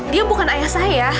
dia bukan ayah saya